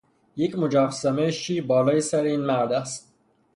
یک مجسمه شیر بالای سر این مرد است.